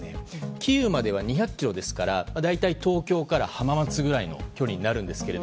キーウまでは２００ｋｍですから大体、東京から浜松ぐらいの距離になるんですが。